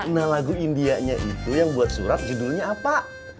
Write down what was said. nah lagu indianya itu yang buat surat judulnya apa